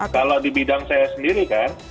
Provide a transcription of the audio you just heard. kalau di bidang saya sendiri kan